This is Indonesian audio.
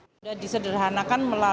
sudah disederhanakan melalui